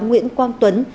nguyễn quang tuấn